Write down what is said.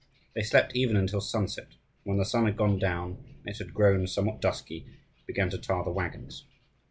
They slept even until sunset; and when the sun had gone down and it had grown somewhat dusky, began to tar the waggons.